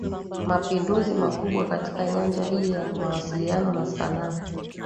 Mapinduzi makubwa katika nyanja hii ya mawasiliano na sanaa